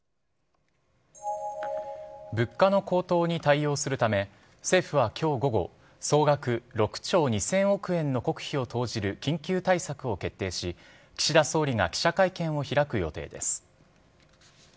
物価の高騰に対応するため、政府はきょう午後、総額６兆２０００億円の国費を投じる緊急対策を決定し、岸田総理が記者会見を開く予定です。